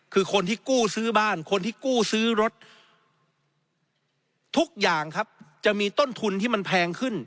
คือคนที่กู้ซื้อบ้านคนที่กู้ซื้อรถทุกอย่างครับจะมีต้นทุนที่มันแพงขึ้น